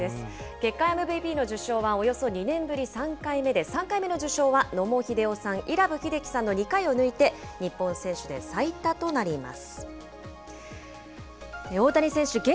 月間ＭＶＰの受賞は、およそ２年ぶり３回目で、３回目の受賞は野茂英雄さん、伊良部秀輝さんの２回を抜いて、日本選手で最多となります。